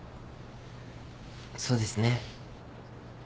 そうですね。